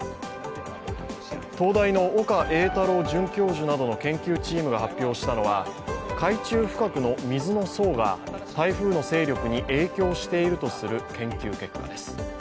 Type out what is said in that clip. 東大の岡英太郎准教授などの研究チームが発表したのは海中深くの水の層が台風の勢力に影響しているとする研究結果です。